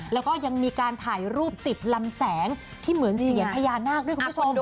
แล้วก็ยังมีการถ่ายรูปติดลำแสงที่เหมือนเสียญพญานาคด้วยคุณผู้ชม